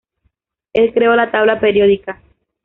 El creó la tabla periódica.